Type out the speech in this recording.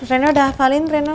rena udah hafalin rena